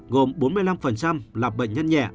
gồm bốn mươi năm là bệnh nhân nhẹ